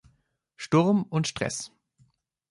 Sturm und Stress